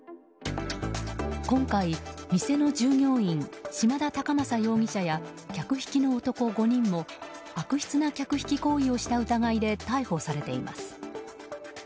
今回、店の従業員島田隆正容疑者や客引きの男５人も悪質な客引き行為をした疑いで逮捕されています。